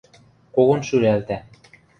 Когон шӱлӓлтӓ.